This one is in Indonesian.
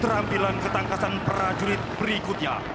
ketampilan ketangkasan prajurit berikutnya